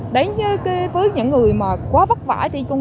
đến với những người quá vất vả trên con đường